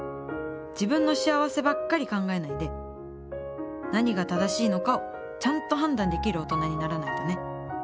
自分の幸せばっかり考えないで何が正しいのかをちゃんと判断できる大人にならないとね。